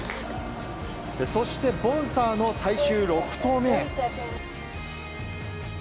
そして、ボンサーの最終６投目。